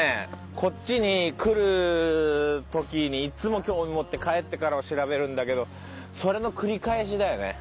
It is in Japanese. こっちに来る時にいつも興味持って帰ってから調べるんだけどそれの繰り返しだよね。